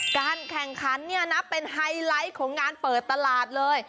การแข่งขันเนี่ยนะเป็นไฮไลท์ของงานเปิดตลาดเลย